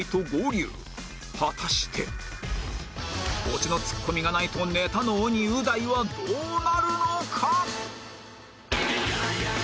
オチのツッコミがないとネタの鬼う大はどうなるのか？